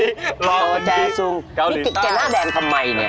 มีขี้เกะหน้าแดงทำไมนี่ฮะ